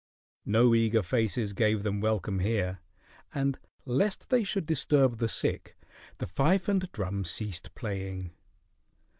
No eager faces gave them welcome here, and lest they should disturb the sick, the fife and drum ceased playing.